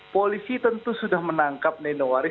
polisi tentu sudah menangkap nenowari